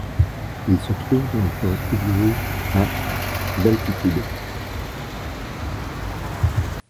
Il se trouve dans les forêts pluvieuses, à d'altitude.